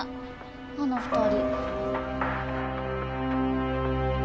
あの２人。